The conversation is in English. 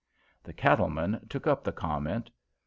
The cattleman took up the comment.